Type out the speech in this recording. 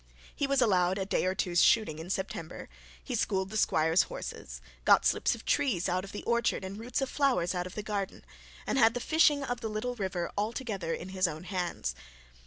He was allowed a day or two's shooting in September; he schooled the squire's horses; got slips of trees out of the orchard, and roots of flowers out of the garden; and had the fishing of the little river altogether in his own hands.